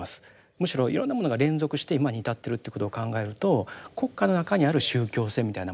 むしろいろんなものが連続して今に至ってるということを考えると国家の中にある宗教性みたいなもの